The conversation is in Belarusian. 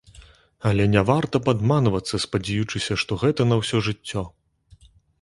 Але не варта падманвацца, спадзеючыся, што гэта на ўсё жыццё.